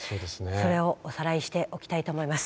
それをおさらいしておきたいと思います。